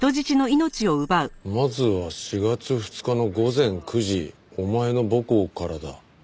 「まずは４月２日の午前９時お前の母校からだ」